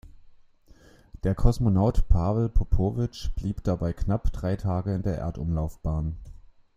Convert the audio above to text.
Der Kosmonaut Pawel Popowitsch blieb dabei knapp drei Tage in der Erdumlaufbahn.